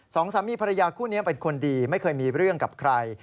สองสามีภรรยาคู่นี้เป็นคนดีไม่เคยมีเรื่องกับใคร